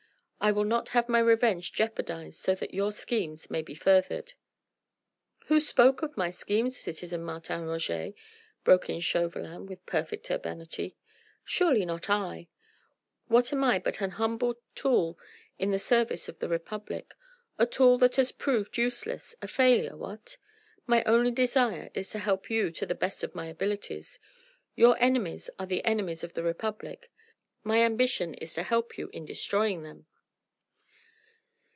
I will not have my revenge jeopardised so that your schemes may be furthered." "Who spoke of my schemes, citizen Martin Roget?" broke in Chauvelin with perfect urbanity. "Surely not I? What am I but an humble tool in the service of the Republic?... a tool that has proved useless a failure, what? My only desire is to help you to the best of my abilities. Your enemies are the enemies of the Republic: my ambition is to help you in destroying them."